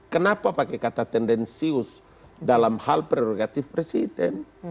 kenapa pakai kata tendensius dalam hal prerogatif presiden